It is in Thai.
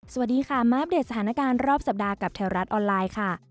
สวัสดีค่ะมาอัปเดตสถานการณ์รอบสัปดาห์กับแถวรัฐออนไลน์ค่ะ